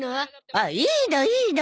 あっいいのいいの。